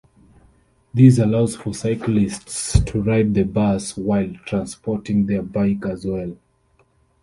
This allows for cyclists to ride the bus while transporting their bike as well.